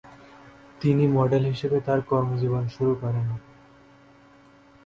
তিনি মডেল হিসেবে তার কর্মজীবন শুরু করেন।